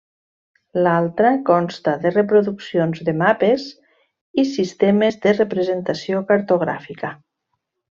L'altra consta de reproduccions de mapes i sistemes de representació cartogràfica.